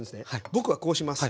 僕はこうします。